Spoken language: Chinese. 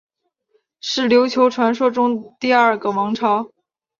是琉球传说中第二个王朝。